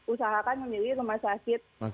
usahakan memilih rumah sakit